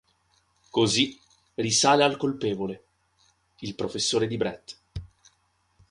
Così, risale al colpevole: il professore di Brett.